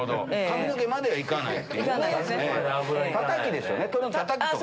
髪の毛までは脂行かない。